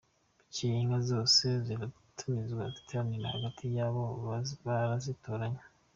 Bukeye inka zose ziratumizwa, ziteranira hagati yabo, barazitoranya.